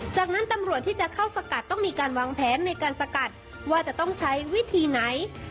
จากนั้นตำรวจที่จะเข้าสกัดต้องมีการวางแผนในการสกัดว่าจะต้องใช้วิธีไหน